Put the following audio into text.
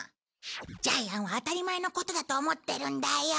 ジャイアンは当たり前のことだと思ってるんだよ。